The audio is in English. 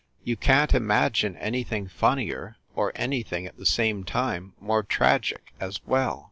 You can t imagine anything funnier, or any thing at the same time more tragic as well.